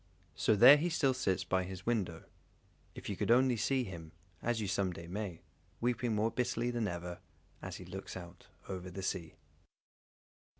So there he still sits by his window, if you could only see him, as you some day may, weeping more bitterly than ever, as he looks out over the sea.